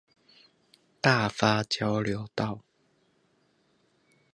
大發交流道